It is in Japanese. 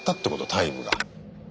タイムが。